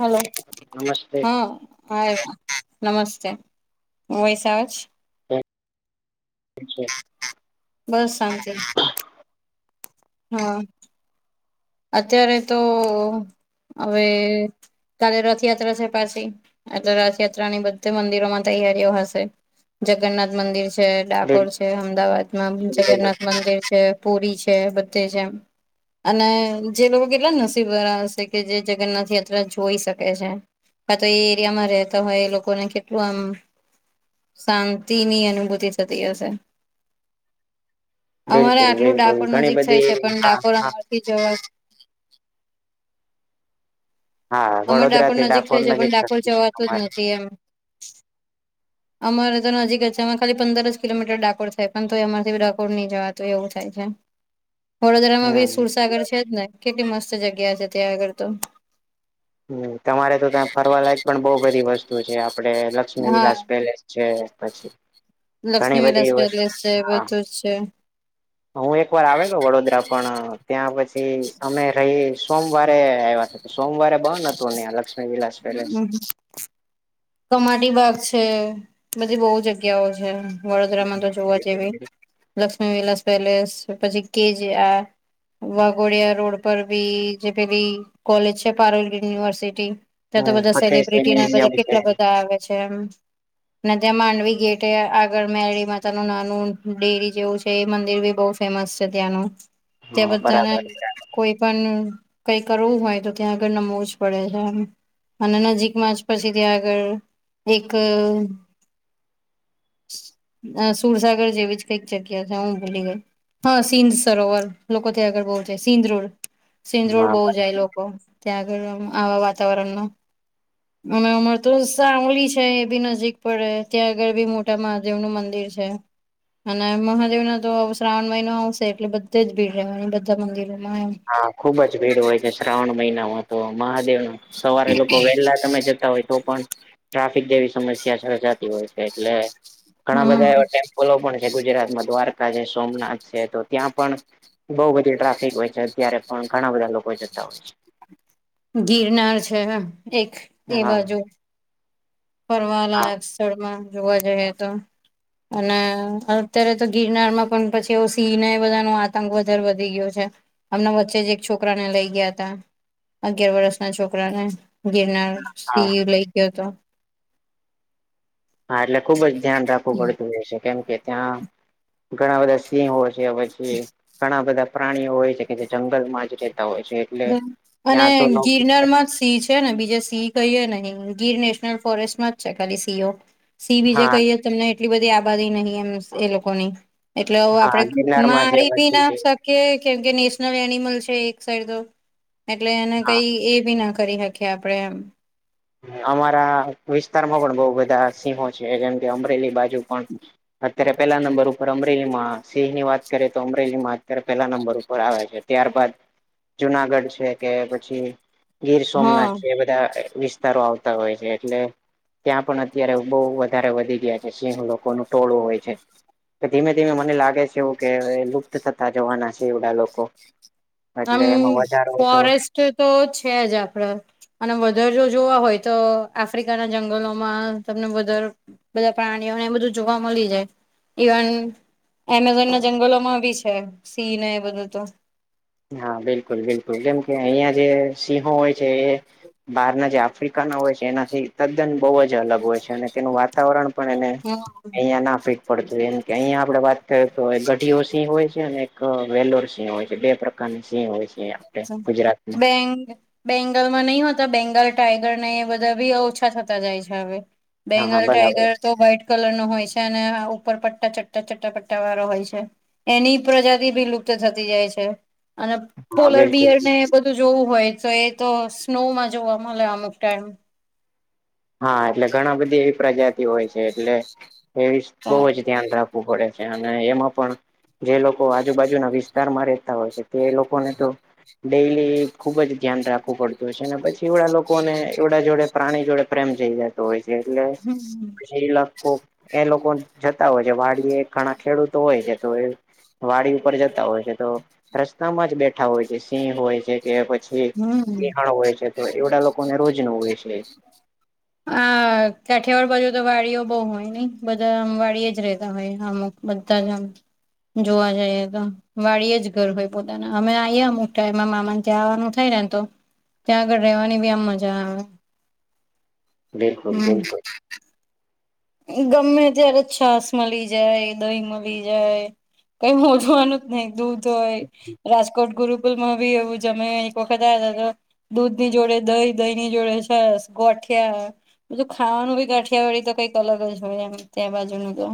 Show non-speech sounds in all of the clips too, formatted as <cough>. Hello નમસ્તે હા હા નમસ્તે હું વયસાચ અચ્છા બસ શાંતિ. હા અત્યારે તો હવે કાલે રથયાત્રા છે પાછી એટલે રથયાત્રાની બધે મંદિરોમાં તૈયારીઓ હશે. જગન્નાથ મંદિર છે ડાકોર બિલકુલ છે અમદાવાદમાં બિલકુલ જગન્નાથ મંદિર છે. પૂરી છે બધે જેમ અને. જે લોકો કેટલા નસીબાર હશે કે જે જગન્નાથ યાત્રા જોઈ શકે છે. આ તો એ એરિયામાં રહેતા હોય એ લોકો ને કેટલું આમ શાંતિ ની અનુભૂતિ થતી હશે. અમારે બિલકુલ આટલું બિલકુલ ડાકોર ઘણી નજીક થાય બધી છે પણ હા ડાકોર હા અમારથી જવા હા અમાર વડોદરા ડાકોર થી નજીક થઈ છે પણ ડાકોર થતું છે જવાતું જ તમારે નથી એમ. અમારે તો નજીક જ છે એમાં ખાલી પંદરસ કિલોમીટર ડાકોર થાય પણ તો એમામાંથી ડકોર નહી જવાતું એવું થાય છે. વડોદરામાં બી હમ સુરસાગર છે જ ને કેટલી મસ્ત જગ્યા છે ત્યાં આગળ તો. હમ્મ તમારે તો ત્યા ફરવા લાયક પણ બહુ બધી વસ્તુ છે આપડે લક્ષ્મી હા વિલાસ પેલેસ છે પછી ઘણી લક્ષ્મી વિલાસ બધી વસ્તુ કપેલસ છે, હા બધું જ છે. હું એક વાર આવેલો વડોદરા પણ ત્યાં પછી અમે રહી સોમવારે આવ્યા હતા સોમવારે બન હતું ને લક્ષ્મી વિલાસ પેલેસ હમ્મ હમ્મ. કમાટી બાગ છે, બધી બહુ જગ્યાઓ છે. વડોદરામાં તો જોવા જવી લક્ષ્મી વિલાસ પેલેસ પછી કેજ આ વાઘોડિયા રોડ પર બી જે પેલી કોલેજ છે પારલગીર યુનિવર્સિટી ત્યાં તો હમ બધા ફતેહસિંહ સેલિબ્રિટી ના મ્યુઝિયમ બધા છે કેટલા બધા આવે છે એમ. અને ત્યાં માંડવી ગેટ એ આગળ ને મેરડી માતા નું નાનું ડેરી જેવું છે એ મંદિર બી બહુ ફેમસ છે ત્યાંનું ત્યાં હા બધાના બરાબર કોઈ પણ કઈ કરવું હોય તો ત્યાં આગળ નમવું જ પડે છે આમ. અને નજીકમાં જ પછી ત્યાં આગળ એક અહ અહ સુરસાગર જેવી જ કઈક જગ્યા છે હું ભૂલી ગઈ. હા, સિંધ સરોવર લોકો ત્યાં આગળ બહુ જાય સિંધ રોડ. સિંધ રોડ હા બહુ જાય લોકો ત્યાં આગળ આમ આવા વાતાવરણ નો. અને અમાર તો સાવલી છે એ બી નજીક પડે ત્યાં આગળ બી મોટા મહાદેવ નું મંદિર છે. અને મહાદેવના તો શ્રાવણ મહિનો આવશે એટલે બધે જ ભીડ રહેવાની બધા મંદિરોમાં એમ. હા, ખુબ જ ભીડ હોય છે શ્રાવણ મહિનામાં તો મહાદેવ ના સવારે લોકો વહેલા તમે જતા હોય તો પણ ટ્રાફિક જેવી સમસ્યા સર્જાતી હોય છે એટલે ઘણા બધા હમ એવા ટેમ્પોલો પણ જે ગુજરાતમાં દ્વારકા છે સોમનાથ છે તો ત્યાં પણ બહુ બધી ટ્રાફિક હોય છે ત્યારે પણ ઘણા બધા લોકો જતા હોય છે ગિરનાર છે એક તે હા બાજુ હા ફરવાલાયક સ્થળમાં જોવા જઈએ તો અને અત્યારે તો ગિરનાર માં પણ પછી એવું સિંહ એ બધા નો આતંક વધારે વધી ગયો છે હમણા વચ્ચે જ એક છોકરાને લઇ ગયા હતા અગિયાર વર્ષ ના છોકરાને ગીરનાર હા સિંહ લઇ ગયો હતો હા એટલે ખુબ જ ધ્યાન રાખવું પડતું હોય છે કેમ કે ત્યાં ઘણા બધા સિંહો છે પછી ઘણા બધા પ્રાણીઓ હોય છે કે જે જંગલ માં જ રહેતા હોય છે એટલે અને ત્યાં તો લોકો ગિરનર માં જ સિંહ છે ને બીજે સિંહ કહીએ ને ગીર નેશનલ ફોરેસ્ટ માં જ છે ખાલી સિંહઓ સિંહ બીજે હા કહીએ તમને એટલી બધી આબાદી નહી એમ એ લોકોની એટલે હા આપડે ગિરનારમાં છે મારી બીના પછી શ કીયે કેમ કે નેશનલ એનિમલ છે એક સાઈડ તો એટલે એને હા કઈ એ બી ના કરી હકીયે આપણેે એમ અમારા વિસ્તારમાં પણ બઉ બધા સિંહો છે જેમ કે અમરેલી બા જુ પણ અત્યારે પેલા નંબર ઉપર અમરેલીમાં સિંહ ની વાત કરીએ તો અમરેલી માં અત્યારે પેલા નંબર ઉપર આવે છે ત્યારબાદ જુનાગઢ છે કે પછી ગીર હા સોમનાથ છે બધા વિ સારો આવતા હોય છે એટલે. ત્યાં પણ અત્યારે બહુ વધારે વધી ગયા છે સિંહ લોકોનું ટોળું હોય છે. કે ધીમે ધીમે મને લાગે છે એવું કે લુપ્ત થતા જવાના છે એવડા લોકો આમ એટલે એમાં વધારો તો ફોરેસ્ટ તો છે જ આપડ અને વધારે જો જોવા હોય તો આફ્રિકાના જંગલોમાં તમને વધારે બધા પ્રાણીઓને બધું જોવા મળી જાય ઇવન એમેઝોન ના જંગલોમાં બી છે સિંહ ને એ બધું તો હા બિલકુલ બિલકુલ કેમ કે અહિયાં જે સિંહો હોય છે એ બહારના જે આફ્રિકાના હોય છે એનાથી તદ્દન બહુ જ અલગ હોય છે અને તેનું વાતાવરણ પણ એને, હમ અહિયાં ના ફે પડ એમ કે અહિયાં આપડે વાત કરીએ તો ગઢીયો સિંહ હોય છે અને એક વેલોર સિંહ હોય છે બેકાર સ હોય છે. આપડે ગુજરાતમાં બે બેંગાલમાં નહી હોતા બેંગાલ ટાઈગર ને એ બધા બી ઓછા થતા જાય છે હવે. હા હા બેંગાલ બરાબર ટાઈગર છે તો વ્હાઈટ કલર નો હોય છે અને ઉપર પટ્ટા ચટ્ટા ચટ્ટા પટ્ટા વાળો હોય છે. એની પ્રજાતિ ભી લુપ્ત થતી જાય છે, અને હા પોલર બિલકુલ બિયરને એ બધું જોવું હોય તો એ તો સ્નોમાં જોવા મળે અમુક ટાઈમ. હા એટલે ઘણા બધી એવી પ્રજાતિ હોય છે એટલે, એવી બહ જ ધ્યાન રાખવું પડે છે અને એમાં પણ જે લોકો આજુબાજુના વિસ્તારમાં રહેતા હોય છે તે લોકોને તો ડેલી ખુબ જ ધ્યાન રાખવું પડ ને પછી એવડા લોકો ને એવડા જોડે પ્રાણી જોડે પ્રેમ જઈ જ જાય. તો છે એટલે પછી લાખો એ લોકો જતા હોય છે વાડી એ ઘણા ખેડૂતો હોય છે તો એ વાડી ઉપર જતા હોય છે, તો રસ્તામાં જ બેઠા હોય છે સિંહ હોય છે. કે પછી હમ સિહાણ હોય છે તો એવડા લોકોને રોજ ન હોય છે. આ કાઠિયાવાડ બાજુ તો વાડીઓ બહુ હોય ને બધામ વાડીય જ રેતા હોય અમુક. બધા જમ. જોવા જઈએ તો વાળ જ ઘર હોય પોતાના અમે આએ અમુક ટાઈમાં મામા તંવાનું થાય ને તો ત્યાં આગળ રેવાની બી આમ મજા આવે. બિલકુલ હમ બિલકુલ. ગમે ત્યારે છાસ મળી જાય દહી મળી જાય. કઈ મોજવાનું જ નહિ દૂધ હોય. રાજકોટ ગુરુકુલ માં બી એવું જમે એક વખત આ હતો. દૂધ ની જોડે દહી દહીં ની જોડે સરસ ગોઠિયા. બીધું ખાવાનું ક કાઠિયાવાડી તો કઈક અલગ જ હોય એમ ત્યાં બાજુનું તો.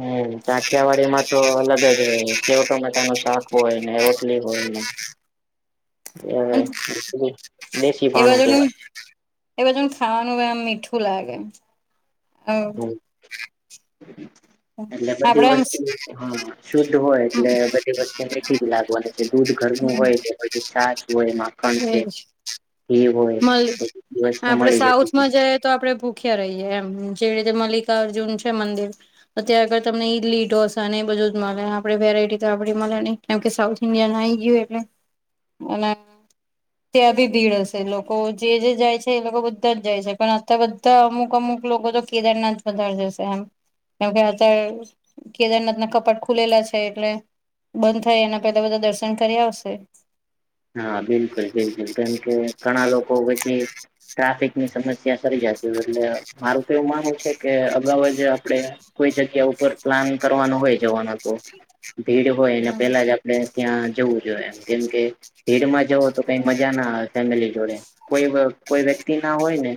હમ સાઠિયાવા એમાં તો અલગ જ હોય સેવ ટમેટા નું શાક હોય ને રોટલી હોય ને. હ દેશી એ પાણું બાજુનું કેવાય. એ બ જ ખાવાનું બ મીઠું લાગે. હ, એટલે બધી આપડે આમ વસ્તુ હા. શુદ્ધ હોય એટલે બધી વસ્તુ મકી જ લાગવાની છે દૂધ ઘરનું હોય છશ હોય માખણ છે ઘી હોય મળ બધી વસ્તુ આપડે મળી જતી સાઉથમાં જઈએ તો આપડણે મુખ્ય રહીએ એમ જેવી રીતે મલ્લિકાર્જુન છે મંદિર. અત્યાં આગળ તમને ઈડલી ઢોસાને એ બધું જ મળે આપણે વેરાયટી તો આપડી મળે નહીં. કેમ કે સાઉથ ઇન્ડિયાન આઈ ગયું એટલે, અને ત્યાથી દીડસ. તે લોકો જે જે જાય છે એ લોકો બધા જ જાય છે પણ અ બધા અમુક અમુક લોકો તો કેદારનાથ ઠગાઈ જશે એમ કારણકે આતે કેદારનાથ ના કપાટ ખુલેલા છે એટલે બંધ થાય એના પેલા બધા દર્શન કરી આવશે હા બિલકુલ બિલકુલ કેમ કે ઘણા લોકો પછી ટ્રાફિક ની સમસ્યા સરી જતી હો એટલે મારું તો એવું માનવું છે કે અગાઉ જ આપડે કોઈ જગ્યા ઉપર પ્લાન કરવાનો હોય જવાનો તો ભીડ હોય એને પેલા જ આપણે ત્યાં જવું જોઈએ એમ કેમ કે ભીડમાં જવો તો કઈ મજા ના આવે ફેમિલી જોડે કોઈ કોઈ વ્યક્તિ ના હોય ને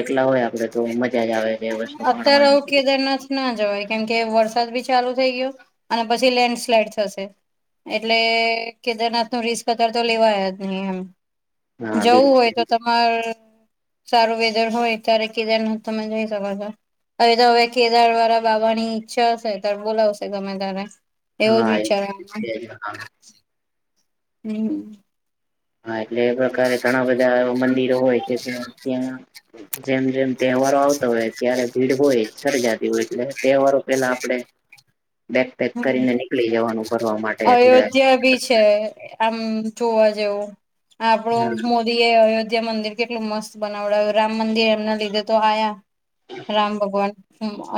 એકલા હોય આપડે તો મજા જ આવે છે એ વસ્તુ અત્યારે માણવાની આવું કેદારનાથ ના જવાય કેમ કે વરસાદ ભી ચાલુ થઈ ગયો અને પછી લેન્ડ સ્લાઈડ થશે એટલે કેદારનાથ નું રીસ પાર તો લેવાયા જ નહીિ એમ હા જવું બિલકુલ હોય તો તમાર સારું વેધર હોય ત્યારે કેદ તમે જો હવે તો હવે કેદાર વાળા બાબાની ઈચ્છા હશે ત્યારે બોલાવશે તમે તારે એવો જ વિચાર હા હમ હા એટલે એ પ્રકારે ઘણા બધા મંદિરો હોય છે કે ત્યાં જેમ જેમ તહેવારો આવતા હોય ત્યારે ભીડ હોય સર્જાતી હોય એટલે તહેવારો પેલા આપડે બેક પેક કરીને નીકળી જવાનું ફરવા માટે એટલે અયોધ્યા બી છે આમ જોવા જેવું આપણું મો અયોધ્યા મંદિર કેટલું મસ્ત બનાવડ રામ મંદિર એમના લીધે તો આ્યા રામ ભગવાન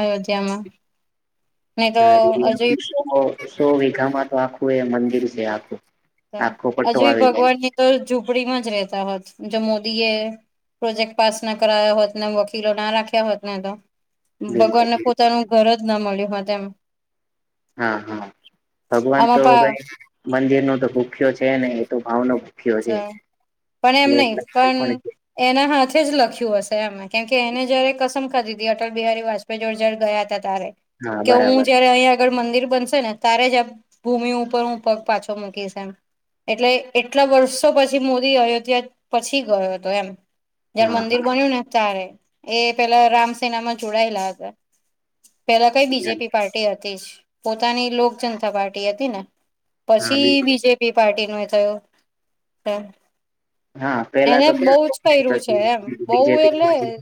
અયોધ્યામાં નહી તો હજુ હરેો સો વઘામાં તો આખું એ મંદિર છે આખું આખો પટ્ટો હજુ આવી જાય ભગવાન ની તો ઝૂંપડીમાં જ રતા હોત જો મોદી એ પ્રોજેક્ટ પાસ ના કરાયા હોત ને વકીલો ના રાખ્યા હોતને તો બિલકુલ ભગવાનને પોતાનું ઘર જ ના મળ્યું હોય તેમ હા હા ભગવાન તો પા ભાઈ મંદિર ન તો ભૂખ્યો છે ને એ તો ભાવ ન ભૂ પણ છે. <unintelligible> એના હાથે જ લખ્યું હશે એમે કેમ કે એને જયારે કસમ ખાદીીધી અટલ બિહારી વાજપેય જળ જળ ગયા ત તારે હા કે હું બરાબર જયારે અહં આગ મંદિર બનશે ને તારે જ ભૂમિ ઉપર હું પગ પાછો મૂકીશ એમ એટલે કેટલા વર્ષો પછી મોદી આવયો ત્યા પછી ગયો હતો એમ જયારે હા મંદિર હા બન્યું ને તારે એ પેલા રામ સેના માં જોડાયેલા હતા પેલા કઈ બીજેપી પાર્ટી હતી જ પોતાની લોક જનતા પાર્ટી હતી ને હા પછી બિલકુલ. બીજેપી પાર્ટી ન એ થયું હ હા પેલા એને તો બહ જ કર્યું ક્યાં છે એમ બહ એટલે બીજેપી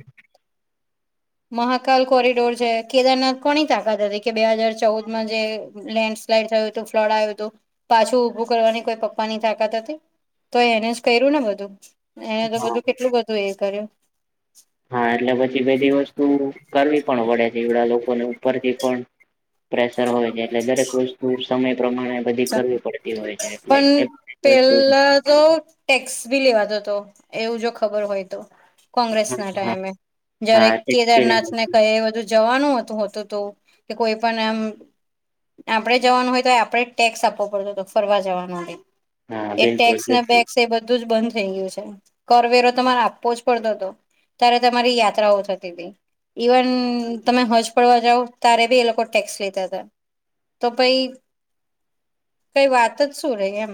મહાકાલ કોરિડોર છે કેદારનાથ કોની તાકાત હતી કે બે હાજાર ચૌદ માં જે લેન્ડ સ્લાઈડ થયું હતું ફ્લડ આવ્યું હતું પાછું ઉભું કરવાની કોઈ પપ્પા ની તાકાત હતી તો એને જ કર્યું ને બધું એને તો હા બધું કેટલું બધું એ કર્યું હા એટલે પછી બધી વસ્તુ કરવી પણ પડે છે એવડા લોકોને ઉપરથી પણ પ્રેશર હોય છે એટલે દરેક વસ્તુ સમય પ્રમાણે બધી કરવી પડતી હોય છે, એટલે પણ <unintelligible> વસ્તુ પેલા તો ટેક્સ ભી લેવાતો હતો એવું જો ખબર હોય તો કોંગ્રેસ હા ના હા ટાઈમે જયારે હા હા, કેદારનાથને કંઈ બધું જવાનું હતુ હોતું તો તે કોઈ પન એમ આપણેે જવાનું હોય તોયે આપણે જ ટેક્સ આપવો પડતો હતો ફરવા જવાનો ને? હા, એ બિલકુલ ટેક્સ ના બિલકુલ બેગસ એ બધું જ બંધ થઈ ગયું છે કરવેરો તમારે આપવો જ પડતો હતો ત્યારે તમારી યાત્રાઓ થતી ગઈ ઈવન તમે હજ પડવા જાાવ ત્યારે બી એ લોકો ટેક્સ લીતા હતા તો પહિ કઈ વાત જ શું રે એમ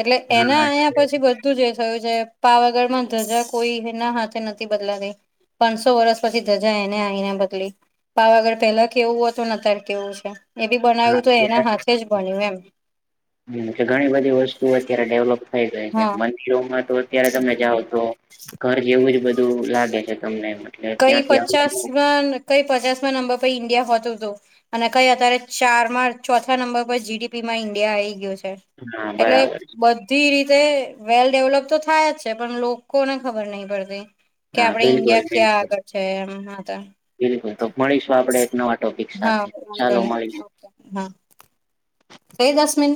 એટલે એના હા આયા પછી બ ધું જે થયું છે પાવાગઢમાં ધજા કોઈ એના હાથે નથી બદલાતી. પાંચસો વર્ષ પછી ધજા એને આઈને બદલી. પાવાગઢ પહેલા કેવું હતું ને અત્યારે કેવું છે. એ બી બનાવ્યું તો એના હાથે જ બન્યું એમ હા કે ઘણી બધી વસ્તુ અત્યારે ડેવલોપ થઈ જાય છે હા મંદિરોમાં તો અત્યારે તમે જાઓ તો ઘર જેવું જ બધું લાગે છે તમને એમાં કંઈ પચાસમાં કઈ પચાસમાં નંબર પર ઈન્ડિયા હોતુ તુ અને કઈ અત્યારે ચારમાં ચોથા નંબર પર જીડીપી માં ઈન્ડિયા આ આવી ગયયો છે. હા એટલે બરાબર બધ તી રીતે વેલ ડેવલપ તો થાય જ છે પણ લોકોને ખબર નહી પડતી કે હા આપડે બિલકુલ ઇન્ડિયા ક્યાં બિલકુલ આગળ છે એમ હા તે બિલકુલ તો મળીશું આપડે એક નવા ટોપિક હા સાથે વાંધો ચાલો નહી મળી હા. કૈ દસમીન